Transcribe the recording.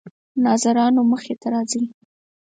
ناظرانو مخې ته راځي.